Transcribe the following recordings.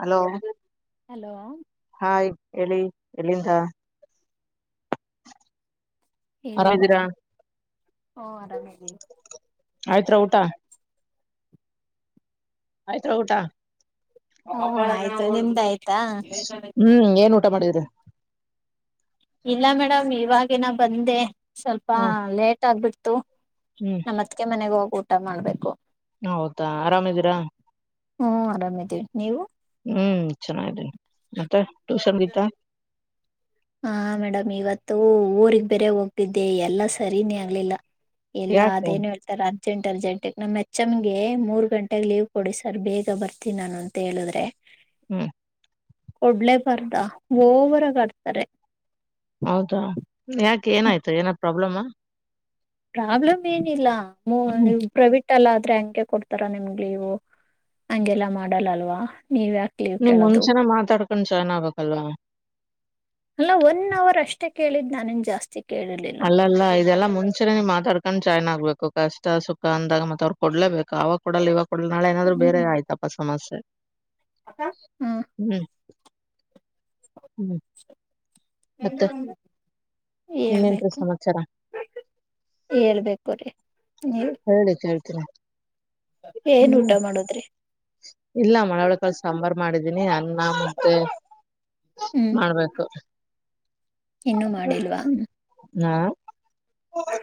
hello hello hi ಹೇಳಿ ಎಲ್ಲಿಂತ ಹೇಳಿ ಆರಾಮಿದೀರಾ ಮೇಡಮ ಹಓ ಆರಾಮ ಆಯ್ತ್ರ ಊಟ ಆಯ್ತ ಊಟ ಹ್ಮ ಆಯ್ತು ನಿಮ್ದ ಆಯ್ತಾ ಹ್ಮ್ ಏನ್ ಊಟ ಊಟ ಮಾಡಿದೀರಿ ಇಲ್ಲ ಮೇಡಮ್ ಇವಾಗಿನ ಬಂದೆ ಸ್ವಲ್ಪ ಹ್ಮ ಲೇಟ್ ಆಗ್ಬಿಡ್ತು ಹ್ಮ್ ನಮ್ಮತ್ಕ ಮನೆಗ ಹೋಗಿ ಊಟ ಮಾಡ್ಬೇಕು ಹೌದಾ ಆರಾಮಿದೀರಾ ಹ್ಮ ಆರಾಮಿದ್ದೀವಿ ನೀವು ಹ್ಮ್ ಚೆನ್ನಿದ್ದೀನಿ ಮತ್ತೆ ಟ್ಯೂಷನ್ ಗೀತಾ ಹಾ ಮೇಡಮ್ ಇವತ್ತು ಊರಿಗೆ ಬೇರೆ ಹೋಗ್ತಿದ್ದೆ ಎಲ್ಲಾ ಸರಿನೇ ಆಗ್ಲಿಲ್ಲ ಎಲ್ಲಾ ಯಾಕೆ ಅದೇನು ಹೇಳ್ತಾರ ಹೆ ಎಂಟರ್ಜೆಂಟ್ ನಮ್ ಹೆಚ್ಮ್ಗೆ ಮೂರ್ ಗಂಟೆಗೆ ಲೀವ್ ಕೊಡಿ ಸರ್ ಬೇಗ ಬರ್ತೀಿ ನಾನು ಅಂತ ಹೇಳಿದ್ರೆ ಹ್ಮ ಒಡ್ಲೆ ಬರ್ದ ಓವರಗಡ್ತಾರೆ ಹೌದಾ ಯಾಕೆ ಏನಾಯ್ತು ಏನಾದ ಪ್ರಾಬ್ಲಮ ಪ್ರಾಬ್ಲಮ್ ಏನಿಲ್ಲ ಪ್ರೈವಟ್ ಇಲ್ಲ ಆದ್ರೆ ಹಂಗೆ ಕೊಡ್ತಾರ ನಿಮ್ಗೆ ಲೀವು ಹಂಗೆಲ್ಲಾ ಮಾಡಲ್ಲ ಅಲ್ವಾ ನೀವ್ ಯಾಕೆ ಲೀವ್ ನೀಮ್ ಕೇಳೋದು ಮುಂಚೆನ ಮಾತಾಡ್ಕೊಂಡ್ ಚನ್ ಆಗ್ಬೇಕ್ಲ್ವಾ ಅಲ್ಲ ಒನ್ ಅವರ್ ಅಷ್ಟೇ ಕೇಳಿದ್ ನಾನ್ ಜಾಸ್ತಿ ಕೇಳಿರ್ಲಿಲ್ಲ ಅಲ್ಲ ಅಲ್ಲ ಇದೆಲ್ಲಾ ಮುಂಚೆ ಮಾತಾಡ್ ಹಕಂಡ್ ಚಾಯ್ನ್ ಆಗ್ಬೇಕು ಕಷ್ಟ ಸುಖ ಅಂದಾಗ ಮತ್ತೆ ಅವ್ರು ಕೊಡ್ಲೇಬೇಕು ಆ ಅವಾಗ ಕೊಡಲ್ಲ ಇವಾಗ ಕೊಡಲ್ ನಾಳೆ ನಾದ್ರು ಬೇರೆ ಹ್ಮ್ ಆಯ್ತಾ ಸಮಸ್ಯೆ ಹ್ಮ್ ಹ್ ಎ ಒಂದ ಇನ್ನೇನ್ರೀ ಹೇಳ್ಬೇಕು ಸಮಾಚಾರ ಹೇಳ್ಬೇಕು್ರೀ ಹೇಳಿ ಕೇಳ್ತೀರಾ ಏನ್ ಊಟ ಹ್ಮ್ ಮಾಡುದ್ರಿ ಇಲ್ಲ ಮಳೆ ಒಳ ಕಲ್ ಸಾಂಬಾರ್ು ಮಾಡಿದ್ ನಿ ಅನ್ನ ಮ್ದೆ ಮಾಡ್ಬೇಕು ಇನ್ನುೂ ಮಾಡಿಲ್ವವಾ ಹ್ಮ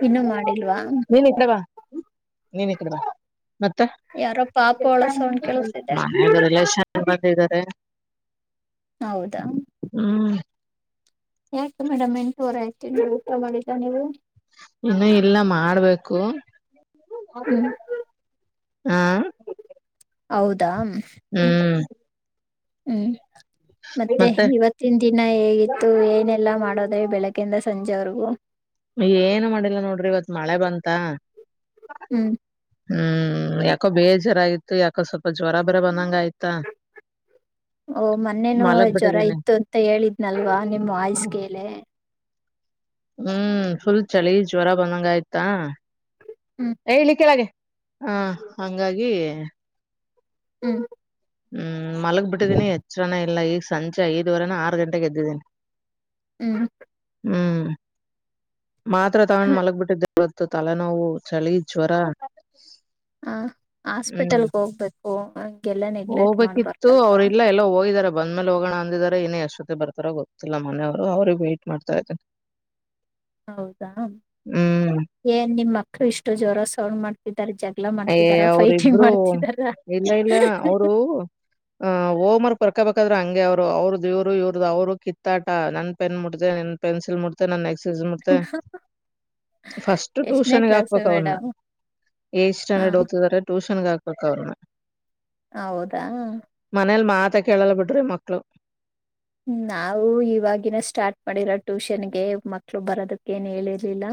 ಇನ್ನುೂ ಮಾಡಿಲ್ವಾ ಬಾ ನೀನ್ ಇ ಕಡೆ ಬ ಮತ್ತೆ ಯಾರೋ ಪಾಪ ಅಳೋ ಸೌಂಡ್ ಕೇಳಿಸ್ತಿದೆ ಮ ಚ ಬಂದಿದ್ದಾರೆ ಹೌದಾ ಹ್ಮ್ ಯಾಕೆ ಮೇಡಮ್ ಎಂಟೂವರ ಆಯ್ತು ನೀವು ಊಟ ಮಾಡಿದ್ದಾ ನೀವು ಇನ್ನು ಇಲ್ಲ ಮಾಡ್ಬೇಕು ಹ್ಮ್ ಹಾ ಹೌದಾ ಹ್ಮ್ ಹ್ಮ್ ಮತ್ತೆ ಇವತ್ತಿನ ದಿನ ಹೇಗಿತ್ತು ಏನೆಲ್ಲಾ ಮಾಡ ನೋಡೋದ ಬೆಳಗ್ಿಂದ ಸಂಜೆವರೆಗೂ ಏನು ಮಾಡಿಲ್ಲ ನೋಡ್ರಿ ಇವತ್ ಮಳೆ ಬಂತ ಹ್ಮ್ ಹ್ಮ್ ಯಾಕೋ ಬೇಜಾರ ಆಗ್ತು ಯಾಕೋ ಸ್ವಲ್ಪ ಜ್ವರ ಬರ ಬಂದಂಗ ಆಯ್ತಾ ಓ ಮೊನ್ನೆನುೂ ಮಲಗ್ ಜ್ವರ ಬಿಟ್ಟಿದ್ದೀನಿ ಇತ್ತು ಅಂತ ಹೇಳಿದ್ನಲ್ವ ನಿಮ್ಮ್ ವಯಸ್ಗೆಲೆ ಹ್ಮ್ ಫುಲ್ ಚಳಿ ಜ್ವರ ಬಂದಂಗ ಆಯ್ತಾ ಹ್ಮ್ ಹೇಳಿ ಕೆಳಗೆ ಹಾ ಹಂಗಾಗಿ ಹ್ಮ್ ಹ್ಮ್ ಮಲಗ್ ಬಿಟ್ಟಿದ್ದೀನಿ ಎಚ್ಚರನ ಇಲ್ಲ ಈಗ ಸಂಜೆ ಐದುವರೆನ ಆರು ಗಂಟೆಗೆ ದ್ದಿದ್ದೀನಿ ಹ್ಮ್ ಹ್ಮ್ ಮಾತ್ರ ತಗೊಂಡ್ ಮಲಗ್ ಬಿಟ್ಟಿದ್ದೆ ತ್ತು ತಲೆನೋವು ಚಳಿ ಜ್ವರ ಹ ಹ್ಮ್ ಹಾಸ್ಪಿಟಲ್ಗೆ ಹೋಗ್ಬೇಕು ನೆಗ್ಲೆಕ್ಟ್ ಹೋಗ್ಬೇಕಿತ್ತು ಮಾಡ್ಬಾರ್ದಲ್ವಾ ಅವ್ರಲ್ಲ ಎಲ್ಲ ಹೋಗಿದಾರ ಬಂದ್ ಮೇಲೆ ಹೋಗೋಣ ಅಂದಿದಿದ್ದಾರೆ ಏನೇ ಎಷ್ಟೊತ್ತತೆ ಬರ್ತಾರೋ ಗೊತ್ತಿಲ್ಲ ಮನೆಯವ್ರು ಅವ್ರ ವೈಟ್ ಮಾಡ್ತಾ ಇದನಿ ಹೌದಾ ಏನ್ ನಿಮ್ ಮಕ್ಳು ಇಷ್ಟು ಜ್ವರ ಸಳ್ ಮಾಡ್ತಿದ್ ಾರ ಜಗಳ ಏ ಮಾಡ್ತಿದಾರ ಫೈಟಿಂಗ್ ಅವ್ರಿಬ್ರು ಮಾಡ್ತಿದಾರ ಹ ಓಮರ್ ಬರ್ಕಬೇಕ ್ರ ಹಂಗೆ ಅವರು ಅವ್ರದ ಇವರು ಇವ್ರದ್ದ ಅವ್ರು ಕಿತ್ತಾಟ ನನ್ ಪೆನ್ ಮುಡುತ್ತೆ ನನ್ನನ್ ಪೆನ್ಸಿಲ್ ಮುಡುತ್ತ ನನ್ನ ಎಕ್ಸ್ ಮತ್ತೆ ಫಸ್ಟ್ ಎಷ್ಟನೇ ಟ್ಯೂಷನ್ಗ ಕ್ಲಾಸ್ ಹಾಕ್ಬೇಕ ಅವನ್ನ ಮೇಡಮ್ ಏ ಹ ಸ್ಟ್ಯಾಂಡರ್ಡ್ ಓದ್ತಿದಾರೆ ಟ್ಯೂಷನ್ ಗೆ ಹಾಕ್ಬೇಕ ಅವ್ರನ ಹೌದಾ ತ್ತ ಕೇಳಲ್ಲ ಬಿಡ್ರಿ ಮಕ್ಕಳು ನಾವು ಇವಾಗಿನ ಸ್ಟಾರ್ಟ್ ಮಾಡಿರ ಟ್ಯೂಷನ್ ಗೆ ಮಕ್ಳು ಬರೋದಕ್ಕ ಏನ್ ಹೇಳಿರ್ಲಿಲ್ಲ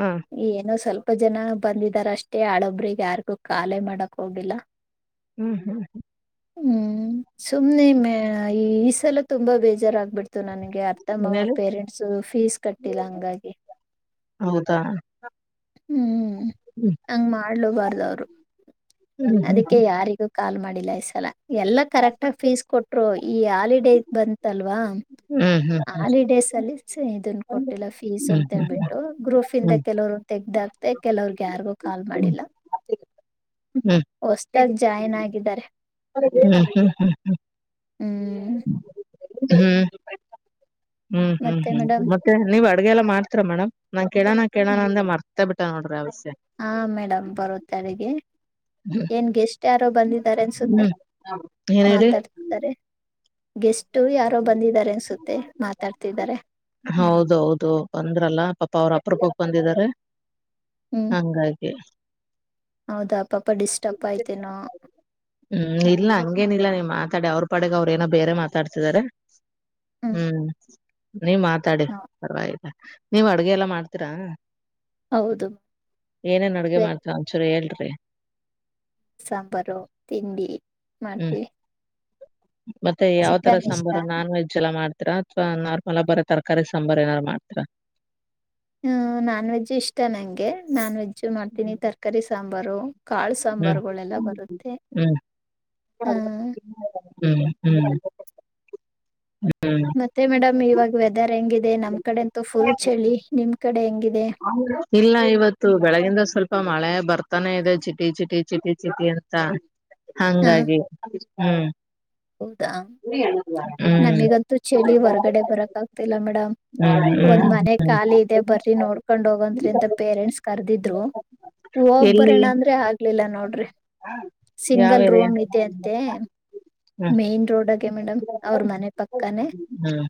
ಹ ಏನು ಸ್ವಲ್ಪ ಇಪ್ಪ ಜನ ಬಂದಿದಾರ ಅಷ್ಟೇ ಹಳೊಬ್ರಿಗೆ ಯಾರಿಗೂ ಖಾಲೆ ಮಾಡಕ್ ಹೋಗಿಲ್ಲ ಹ್ಮ್ ಹ್ಮ್ ಹ್ಮ್ ಹ್ಮ್ ಸುಮ್ನೆ ಮ ಈ ಈ ಸಲ ತುಂಬಾ ಬೇಜಾರಾಗತ ಬಿಡ್ತು ನನ್ಗೆ ಅರ್ಥ ಏನ್ ಹೇಳಿ ಪೇರೆಂಟ್ಸ್ ಫೀಸ್ ಕಟ್ಟಿಲ್ಲ ಹಂಗಾಗಿ ಹೌದಾ ಹ್ಮ್ ಹ್ಮ್ ಹಂಗ ಮಾಡ್ಲಬಾರ್ದವ್ರು ಹ್ಮ್ ಅದಕ್ಕೆ ಹ್ಮ್ ಯಾರಿಗೂ ಕಾಲ್ ಮಾಡಿಲ್ಲ ಈ ಸಲ ಎಲ್ಲಾ ಕರೆಕ್ಟ್ಗ ಫೀಸ್ ಕೊಟ್ರು ಈ ಹಾಲಿಡೇ ಬಂತಲ್ವಾ ಹ್ಮ್ ಹಾಲಿಡೇಸ್ ಅಲ್ಲಿ ಇದನ್ ಕೊಟ್ಟಿಲ್ಲ ಫೀಸ್ ಹ್ಮ್ ಹ್ಮ್ ಅಂತ ಹೇಳ್ಬಿಟ್ಟು ಗ್ರೂಪ್ ಇಂದ ಹ್ಮ್ ಕೆಲವರು ತೆಗ್ದಾಗ್ತ ಮ ಕೆಲವ್ರಗೆ ಯಾರಿಗೂ ಕಾಲ್ ಮಾಡಿಲ್ಲ ಹ್ಮ್ ಹೊಸದಾಗಿ ಜಾಯಿನ್ ಹ್ಮ್ ಆಗಿದ್ದಾರೆ ಹ್ಮ್ ಹ್ಮ್ ಹ್ಮ್ ಹ್ಮ್ ಹ್ಮ್ ಹ್ಮ್ ಹ್ಮ್ ಮತ್ತೆ ಹ್ಮ್ ಮೇಡಮ್ ಮತ್ತೆ ನೀವ್ ಆ ಅಡ್ಗೆಲ್ಲ ಮಾಡ್ತರ ಮೇಡಮನ್ ಕೋ ಕೇಳೋಣ ಅಂದ ಮರ್ತಾ ಬಿಟ್ಟ ನೋಡ್ರಿ ಅವ ಹಾ ಮೇಡಮ್ ಬರುತ್ತೆಗೆ ಏನ್ ಗೆಸ್ಟ್ ಯಾರೋ ಬಂದಿದ್ದಾರೆ ಅನ್ಸುತ್ತೆ ಹ್ಮ್ ಏನ್ ಹೇಳಿ ಮಾತಾಡ್ತಾರೆ ಗೆಸ್ಟ್ ಯಾರೋ ಬಂದಿದ್ದಾರೆ ಅನ್ಸುತ್ತೆ ಮಾತಾಡ್ತಿದ್ದಾರೆ ಹೌದೌದು ಬಂದ್ರಲ್ಲ ಪಾಪಾ ಅವ್ರಪ್ರಕ್ಕೆೋಗ ಬಂದಿದ್ದಾರೆ ಹ್ಮ್ ಹಂಗಾಗಿ ಹೌದಾ ಪಾಪ ಡಿಸ್ಟರ್ಬ್ ಆಯ್ತೇನೋ ಹ್ಮ್ ಇಲ್ಲ ಹಂಗೇನಿಲ್ಲ ನಿಮ್ಮ ಮಾತಾಡ ಅವ್ರ ಪಡೆಗೆ ಅವ್ರ ಏನೋ ಬೇರೆ ಮಾತಾಡ್ತಿದಿದ್ದಾರೆ ಹ್ಮ್ ನೀವ್ ಮಾತಾಡಿ ಹ- ಪರ್ವಾಗಿಲ್ಲ ನೀವ್ ಅಡ್ಗೆ ಎಲ್ಲ ಮಾಡ್ತೀರಾ ಹೌದು ಏನೇನ್ ಅಡುಗೆ ವೆಜ್ ಮಾಡ್ತ ಒಂಚೂರು ಹೇಳ್ರಿ ಸಾಂಬಾರು ತಿಂಡಿ ಹ್ಮ್ ಮಾಡ್ತೀವಿ ಮತ್ತೆ ಯಾವ್ ತರ ಚಿಕನ್ ಇಷ್ಟ ಸಾಂಬಾರ ನಾನ್ ವೆಜ್ ಎಲ್ಲಾ ಮಾಡ್ತೀರಾ ಅಥವಾ ನ ಅಲ್ಲ ಬರ ತರಕಾರಿ ಸಾಂಬಾರ್ ಏನಾದಾರು ಮಾಡ್ತರಾ ಹ ನಾನ್ ವೆಜ್ಜ್ ಇಷ್ಟ ನಂಗೆ ನಾನ್ ವೆಜ್ಜ್ ಮಾಡ್ತೀನಿ ತರಕಾರಿ ಸಾಂಬಾರು ಕಾಳು ಹ್ಮ್ ಸಾಂಬಾರಗಳೆಲ್ಲ ಬರುತ್ತೆ ಹ್ಮ್ ಹ ಹ್ಮ್ ಹ್ಮ್ ಹ್ಮ್ ಮತ್ತೆ ಮೇಡಮ್ ಇವಾಗ ವೆದರ್ ಹೆಂಗಿದೆ ನಮ್ ಕಡೆ ಅಂತೂ ಫುಲ್ ಚಳಿ ನಿಮ್ ಕಡೆ ಹೆಂಗ ಇಲ್ಲ ಇವತ್ತು ಬೆಳಗಿಂದ ಸ್ವಲ್ಪ ಮಳೆ ಬರ್ತಾನೆ ಇದೆ ಚಿಟಿ ಚಿಟಿ ಚಿಟಿ ಚಿಟಿ ಅಂತ ಹ ಹಂಗಾಗಿ ಹ್ಮ್ ಹೌದಾ ಹ್ಮ್ ನಮಗಂತೂ ಚಳಿ ಹೊರ್ಗಡೆ ಬರಕ್ ಆಗ್ತಿಲ್ಲ ಮೇಡಮ್ ಹ್ಮ್ ಒಂದ್ ಹ್ಮ್ ಮನೆ ಖಾಲಿ ಇದೆ ಬರಿ ನೋಡ್ಕೊಂಡ ಹೋಗಂತ್ರಿ ಅಂತ ಪೇರೆಂಟ್ಸ್ ಕರ್ದಿದ್ರು ಹೋಗ್ ಎಲ್ಲಿ ಬರೋಣ ಅಂದ್ರೆ ಆಗ್ಲಿಲ್ಲ ನೋಡ್ರಿ ಯಾವ ಸಿಂಗಲ್ ಏರಿಯಾ ರೂಮ್ ಇದೆ ಅಂತೆ ಹ್ಮ್ ಮೇನ್ ರೋಡ್ಗೆ ಮೇಡಮ್ ಅವ್ರ ಮನೆ ಪಕ್ಕಾನೇ ಹ್ಮ್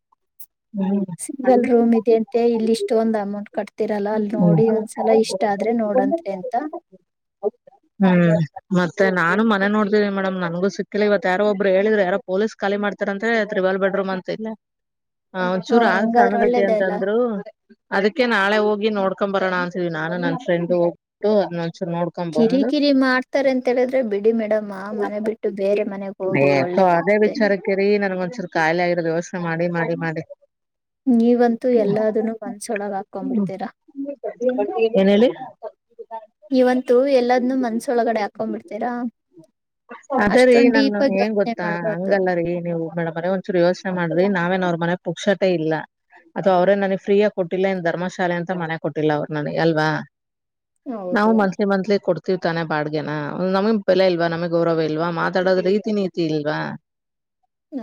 ಹ್ಮ್ ಸಿಂಗಲ್ ರೂಮ್ ಇದೆ ಅಂತೆ ಇಲ್ಲಿ ಇಷ್ಟ ಒಂದ ಅಮೌನ್ ಕಟ್ತಿರಲ್ಲ ಅಲ್ ಹ್ಮ್ ನೋಡಿ ಒಂದ್ಸಲ ಇಷ್ಟ ಆದ್ರೆ ನೋಡಂತ್ರಿ ಅಂತ ಹ್ಮ ಮತ್ತೆ ನಾನು ಮನೆ ನೋಡ್ತೀನ ಮೇಡಮ್ ನನ್ಗು ಸಿಕ್ಕಿಲ್ಲ ಇವ ಯಾರೊ ಒಬ್ರು ಹೇಳಿದ್ರ ಯಾರ ಪೊಲೀಸ್ ಖಿ ಮಾಡತಾರ ಅಂತ ತ್ವಾಲ್ಬಟ್ ಚೂ ಹ್ಮ್ ಆ ಹಂಗಾದ್ರೆ ಸಣಗ ಒಳ್ಳೇದೇ ಅಲ್ಲ ಅಂತಂದ್ರು ಅ ಅ ನಾಳೆ ಹೋಗಿ ನೋಡ್ಕೊ ಬರೋಣ ಅಂತೀವಿ ನಾನನ್ ನನ್ ಫ್ರೆಂಡ್ ಹೋಗಬು ಕಿರಿ ಕಿರಿ ಮಾಡ್ತಾರೆ ಅಂತ ಹೇಳಿದ್ರೆ ಬಿಡಿ ಮೇಡಮ್ಮಾ ಮನೆ ಬಿಟ್ಟು ಬೇರೆ ಮನೆಗ್ ಹೋಗಿ ಒಳ್ಳೆ ಸ ಅದೇ ವಿಚಾರಕ್ಕೆ ರೀ ನನ್ ಒಂದಸೂರು ಕಖಾಯಿಲೆ ಆಗಿರೋದು ಯೋಚನೆ ಮಾಡಿ ಮಾಡಿ ಮಾಡಿ ನೀವಂತೂ ಎಲ್ಲದನ್ನು ಒಂದ್ಸೊಳಗ ಆಗ್ತ ಹ್ಮ ಏನಲ್ಲಿ ನೀವಂತೂ ಎಲ್ಲಾದ್ನು ಮನ್ಸೊಳಗಡೆ ಹಾಕೊಂಡ್ ಬಿಿಡ್ತೀರಾ ಅದೇ ರೀ ನನ್ ಏಂಗ ಗೊತ್ತಾ ಮಾಡ್ಬಾರ್ದು ಹಂಗಲ್ಲ ರೀ ನೀವು್ ಮೇಡಮ್ರ ಒಂದ್ಸೂರು ಯೋಚನೆ ಮಾಡ್ರಿ ನಾವೇ ಅವ್ರ ಮನೆ ಪುಕ್ಷಟೆ ಇಲ್ಲ ಅಥವಾ ಅವರೇ ನನಗ್ ಫ್ರೀ ಆಗ ಕೊಟ್ಟಿಲ್ಲ ಎಂದ ರ್ಮಶಾಲೆ ಅಂತ ಮನೆ ಕೊಟ್ಟಿಲ್ಲ ಅವರು ನನಗೆ ಅಲ್ವಾ ನಾವು ಹೌದು ಮಂತ್ಲಿ ಮಂತ್ಲಿ ಕೊ ತಿರ್ತಾನೆ ಬಾಡ್ಗೆ್ಯನ ಒಂದ್ ನಮಿಗ್ ಬೆಲೆ ಇಲ್ವಾ ನಮಗ್ ಗೌರವ ಇಲ್ವಾ ಮಾತಾಡೋದ್ ರೀತಿ ನೀತಿ ಇಲ್ವಾ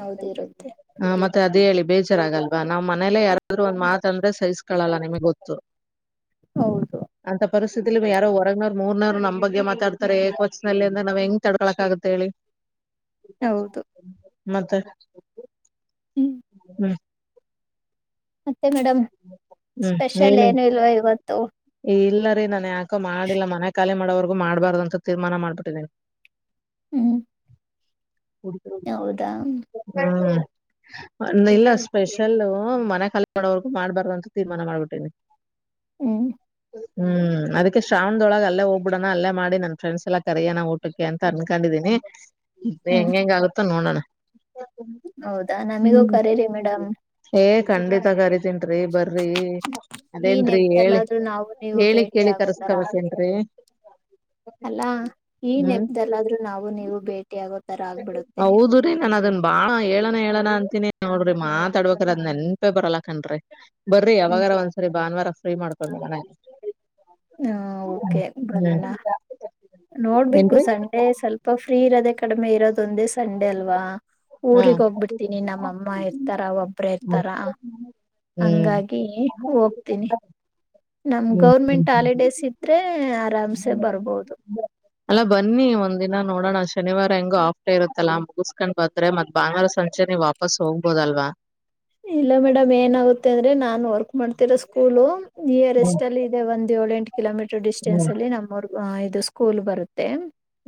ಹೌದಿರುತ್ತೆ ಹಾ ಮತ್ತೆ ಅದೇ ಹೇಳಿ ಬೇಜಾರಾಗಲ್ವಾ ನಾವ್ ಮನೇಲ್ಲ ಯಾರಾದ್ರು ಒಂದ್ತ ಅಂದ್ರೆ ಸಹಿಸ್ಕೊಳ್ಳಲ್ಲ ನಿಮ್ಗೆ ಗೊತ್ತು ಹೌದು ಅಂತ ಪ ಯಾರೋ ಹೊರಗ್ನವರ್ ಮೂರ್ನವರ್ ನಮ್ ಬಗ್ಗೆ ಮಾತಡ್ತಾರೆಏಕ್ ವತ್ನಲ್ಲಿ ಅಂದ್ರ ನಾವ್ ಹೆಂಗ ತಡ್ಕಳಕ ಆಗುತ್ತೆ ಹೇಳಿ ಹೌದು ಮತ್ತೆ ಹ್ಮ್ ಹ್ಮ್ ಅೇ ಮೇಡಮ್ ಹ್ಮ್ ಸ್ಪೆಷಲ್ ಹೇಳಿ ಏನು ಇಲ್ವಾ ಇವತ್ತು ಇಲ್ಲ ರೀ ನಾನನ್ ಯಾಕ ಮಾಡಿಲ್ಲ ಮನೆ ಖಾಲಿ ಮಾಡೋವರ್ಗೂ ಮಾಡ್ಬಾರ್ದ ಅಂತ ತೀರ್ಮಾನ ಮಾಡ್ಬಿಟ್ಟಿದಿನಿ ಹ್ಮ್ [unintelligible] ಹೌದಾ ಹಾ [inaudible] ಇಲ್ಲ ಸ್ಪೆಷಲ್ ಮನೆ ಖಾಲ ಮಾಡೋವರ್ಗು ಮಾಡ್ಬಾರುಂತ ತೀರ್ಮಾನ ಮಾಡ್ಬಿಟ್ಟನಿ ಹ್ಮ್ ಹ್ಮ್ ಹ್ಮ್ ಅದಕ್ಕೆ ಶ್ರಾವಣದೊಳಗೆ ಅಲ್ಲೇ ಹೋಗ್ಬಿಡಣ ಅಲ್ಲ ಮಾಡಿ ನನ್ ಫ್ರೆಂಡ್ಸ್ ಎಲ್ಲ ಕರಯ್ಯಣ ಊಟಕ್ಕೆ ಅಂತ ಅನ್ಕೊಂಡಿದ್ದೀನಿ ಹ್ಮ್ ಹೆಂಗ ಹೆಂಗ ಆಗುತ್ತೋ ನೋಡೋಣ ಹೌದಾ ನಮಿಗೂ ಕರೀರಿ ಮೇಡಮ್ ಖಂಡಿತಾಗ ಅರಿತೇನ್ರಿ ಬರ್ರಿ ಈ ಅದೇನ್ರಿ ಹೇಳಿ ನೆಪದಲ್ಲಾದ್ರೂ ನಾವು ನೀವು ಹೇಳಿ ಭೇಟಿ ಕೇಳಿ ಳಿ ಆಗೋ ತರ ಆಗ್ಲಿ ಕರಸ್ಕರಕೇನ್ ರೀ ಅಲ್ಲಾ ಈ ನೆಪ್ದಲ್ಲಾದ್ರೂ ನಾವು ನೀವು ಭೇಟಿಿಯಗುತ್ತೆ ಹೌದು ರೀ ನಾನನ್ ಅದನ್ನು ಬಾಳ ಹೇಳಣ ಹೇಳಣ ಅಂತಿನನಿ ನೋಡ್ರಿ ಮಾತಾಡ್ಬೇಕ್ರ ಅ್ ನೆನ್ಪೆ ಬರಲಕನ್ ರೀ ಬರ್ರಿ ಹ್ಮ್ ಯಾವಾಗಾರ ಒಂದ್ಸರಿ ಭಾನುವಾರ ಫ್ರೀ ಮಾಡ್ಕೊಂಡು ಮನ ಹಾ ಓಕೆ ಬರೋಣ ನೋಡ್ಬೇಕು ಏನ್ರಿ ಸಂಡೇ ಸ್ವಲ್ಪ ಫ್ರೀ ಇರೋದೆ ಕಡಿಮೆ ಇರೋದ ಒಂದೇ ಸಂಡೇ ಅಲ್ವಾ ಹ್ಮ್ ಊರಿಗ್ ಹೋಗ್ಬಿಡ್ತೀನಿ ನಮ್ಮಮ್ಮ ಇರ್ತಾರ ಒಬ್ರ ಹ್ಮ್ ಇರ್ತಾರಾ ಹಂಗಾಗಿ ಹೋಗ್ತೀನಿ ನಮ್ ಹ್ಮ್ ಗೌರ್ಮೆಂಟ್ ಹಾಲಿಡೇಸ್ ಇದ್ರೆ ಆರಾಮ್ಸೆ ಬರ್ಬೋದು ಅಲ್ಲಾ ಬನ್ನಿ ಒಂದ್ ದಿನ ನೋಡೋಣ ಶನಿವಾರ ಹೆಂಗೋ ಆಫ್್ಟೇ ಇರುತ್ತಲ್ಲ ಮುಗಿಸಸ್ಕೊಂಡ್ ಬಂದ್ರೆ ಮತ್ ಬಾಂಗಾರ ಮುಂಚೆನೆ ವಾಪಸ್ ಹೋಗ್ಬೋದಲ್ವಾ ಮಾಡ್ತೀರ ಸ್ಕೂಲ್ ಇರ್ ಹ್ಮ್ ರೆಸ್ಟ್ ಅಲ್ಲಿ ಇದೆ ಒಂದ್ ಏಳ ಎಂಟ ಕಿಲೋಮೀಟರ್ ಡಿಸ್ಟೆನ್ಸ್ ಹ್ಮ್ ಅಲ್ಲಿ ನಮ್ಮೂರು ಇದು ಸ್ಕೂಲ್ ಬರುತ್ತೆ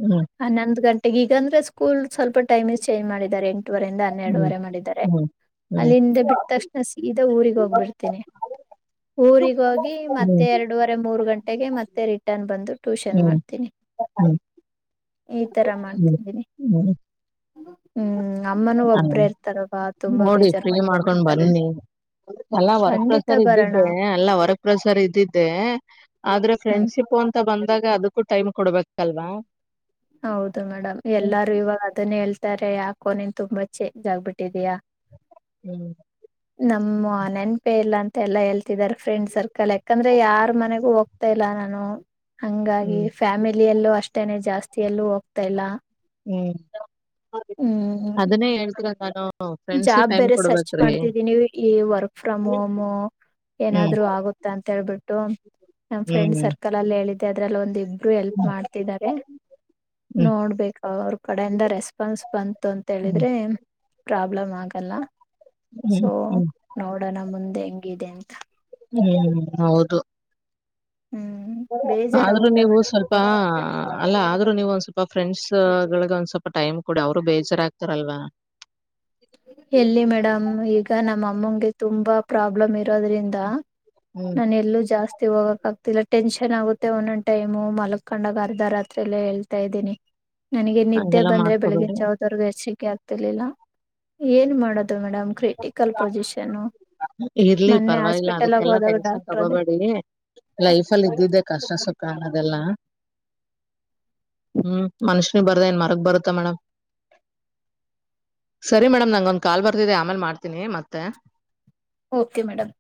ಹ್ಮ್ ಹನ್ನೊಂದು್ ಗಂಟೆ ಈಗ ಈಗಂದ್ರೆ ಸ್ಕೂಲ್ ಸ್ವಲ್ಪ ಟೈಮ್ ಚೇಂಜ್ ಮಾಡಿದ್ದಾರೆ ಎಂಟುವರಿ ಇಂದ ಹನ್ನೆರಡುವರೆ ಮಾಡಿದ್ದಾರೆ ಹ್ಮ್ ಹ್ಮ್ ಹ್ಮ್ ಅಲ್ಲಿಂದ ಬಿಟ್ಟ ತಕ್ಷಣ ಸೀದಾ ಊಗ್ ಹೋಗ್ಬಿಡ್ತೀನಿ ಊರಿಗ ಹೋಗಿ ಮತ್ತೆ ಹ್ಮ್ ಎರಡೂುವರೆ ಮೂರು ಗಂಟೆಗೆ ಮತ್ತೆ ರಿಟರ್ನ್ ಬಂದು ಟ್ಯೂಷನ್ ಮಾಡ್ತೀನಿ ಹ್ಮ್ ಹ್ಮ್ ಈ ತರ ಹ್ಮ್ ಮಾಡ್ತಿದ್ದೀನಿ ಹ್ಮ್ ಹ್ಮ್ ಅಮ್ಮನೂ ಆ, ಒಬ್ರ ಇರ್ತಾರ ಹಾ ತುಂಬಾ ನೋಡಿ ಬೇಜಾರ್ ಫ್ರೀ ಮಾಡ್ಕೊಂಡ್ ಮಾಡ್ಕೊಂಡ್ಬಿಡ್ತಾರೆ ಬನ್ನಿ ಎಲ್ಲಾ ವರಕ್ ಖಂಡಿತ ಪ್ರಸರ್ ಬರೋಣ ಇದ್ದಿದ್ದೆ ಎಲ್ಲಾ ವರಕ್ ಪ್ರಸರ್ ಇದ್ದಿದ್ದೆ ಆದ್ರೆ ಹ್ಮ್ ಫ್ರೆಂಡ್ಶಿಪ್ ಅಂತ ಬಂದಾಗ ಅದಕ್ಕೂ ಟೈಮ್ ಕೊಡ್ಬೇಕಲ್ವಾ ಹೌದು ಮೇಡಮ್ ಹ್ಮ್ ಎಲ್ಲಾರು ಇವಾಗ ಅದನ್ನೇ ಹೇಳ್ತಾರೆ ಯಾಕೋ ನೀನ್ ತುಂಬಾ ಚೇಜ ಆಗ್ಬಿಟ್ಟಿ ಹ್ಮ್ ನಮ್ಮ ನೆನಪೆ ಇಲ್ಲ ಅಂತ ಮ ಎಲ್ಲಾ ಹೇಳ್ತಿದಿದ್ದಾರೆ ಫ್ರೆಂಡ್ ಸರ್ಕಲ್ ಯಾಕಂದ್ರೆ ಯಾರ್ ಮನೆಗೂ ಹೋಗ್ತಾ ಇಲ್ಲ ನಾನು ಹಂಗಾಗಿ ಹ್ಮ್ ಫ್ಯಾಮಿಲಿಯಲ್ಲೂ ಅಷ್ಟೇನೆ ಜಾಸ್ತಿಯಲ್ಲೂ ಹೋಗ್ತಾ ಇಲ್ಲ ಹ್ಮ್ ಹ್ಮ್ ಅನ್ನೇ ಎಳ್ತರ ನಾನು ಫ್ರೆಂಡ್ಸಿಗೆ ಜಾಬ್ ಟೈಮ್ ಬೇರೆ ಸರ್ಚ್ ಕೊಡ್ಬೇಕ್ರಿ ಮಾಡ್ತಿದ್ದೀನಿ ಈ ವರ್ಕ್ ಫ್ರಮ್ ಹೋಮ್ ಹ್ಮ್ ಏನಾದ್ರು ಆಗುತ್ತ ಅಂತ ಹೇಳ್ಬಿಟ್ಟು ನಮ್ ಫ್ರೆಂಡ್ ಹ್ಮ್ ಸರ್ಕಲ್ ಅಲ್ಲಿ ಹೇಳಿದ್ದೆ ಅದ್ರಲ್ಲಿ ಒಂದು ಇಬ್ರು ಎಲ್ಪ್ ಮಾಡ್ತಿದ್ದಾರೆ ಹ್ಮ್ ನೋಡ್ಬೇಕ ಅವ್ರ ಕಡೆಯಿಂದ ರೆಸ್ಪಾನ್ಸ್ ಬಂತು ಅಂತ ಹ್ಮ್ ಹೇಳಿದ್ರೆ ಪ್ರಾಬ್ಲಮ್ ಆಗಲ್ಲ ಸೊ ಹ್ಮ್ ಹ್ಮ್ ನೋಡೋಣ ಮುಂದೆ ಹೆಂಗಿದೆ ಅಂತ ಹ್ಮ್ ಹೌದು ಹ್ಮ್ ಆದ್ರೂ ಬೇಜಾರಾಗುತ್ತೆ ನೀವು ಮೇಡಮ್ ಸ್ವಲ್ಪ ಅಲ್ಲ ಆದ್ರೂ ನೀವು ಒಂದ್ ಸ್ವಲ್ಪ ಫ್ರೆಂಡ್ಸ್ ಗಳಗ ಒಂದ್ ಸ್ವಲ್ಪ ಟೈಮ್ ಕೊಡಿ ಅವರು ಬೇಜಾರಾಗಗ್ತಾರಲ್ವಾ ಎಲ್ಲಿ ಮೇಡಮ್ ಈಗ ನಮ್ಮ ಅಮ್ಮನ್ಗೆ ತುಂಬಾ ಪ್ರಾಬ್ಲಮ್ ಇರೋದ್ರಿಂದ ಹ್ಮ್ ನಾನ ಎಲ್ಲೂ ಜಾಸ್ತಿ ಹೋಗಕ್ ಆಗ್ತಿಲ್ಲ ಟೆನ್ಷನ್ ಆಗುತ್ತೆ ಒಂದೊ್ ಟೈಮು ಮಲಕೊಂಡಾಗ ಅರ್ಧ ರಾತ್ರಿಯಲ್ಲೇ ಹೇಳ್ತಾ ಇದ್ದೀನಿ ನನಗೆ ನಿದ್ದೆ ಹಂಗೆಲ್ಲಾ ಬಂದ್ರೆ ಬೆಳಗಿನ ಮಾಡ್ಕೋಬೇಡಿ ಜಾವದವರ್ಗೂ ಎಚ್ಚರಿಕೆ ಆಗ್ತಿರ್ಲಿಲ್ಲ ಏನ್ ಮಾಡೋದು ಮೇಡಮ್ ಕ್ರಿಟಿಕಲ್ ಪೊಸಿಷನ್ ಇರ್ಲಿ ಮೊನ್ನೆ ಪರವಾಗಿಲ್ಲ ಹಾಸ್ಪಿಟಲ್ಗ ಅದಕ್ಕೆಲ್ಲಾ ಹೋದಾಗ ಟೆನ್ಷನ್ ಡಾಕ್ಟರ್ ಅದೇ ತಗೋಬೇಡಿ ಲೈಫಲ್ಲಿ ಇದ್ದಿದ್ದೆ ಕಷ್ಟ ಸುಖ ಅನ್ನೋದೆಲ್ಲ ಹ್ಮ್ ಮನುಷ್ಯನಿ ಬರ್ದ ಏನ್ ಮರಗ್ ಬರುತ್ತ ಮೇಡಮ್ ಸರಿ ಮೇಡಮ್ ನಂಗೊಂದು ಕಾಲ್ ಬರ್ತಿದೆ ಆಮೇಲೆ ಮಾಡ್ತೀನಿ ಮತ್ತೆ ಓಕೆ ಮೇಡಮ್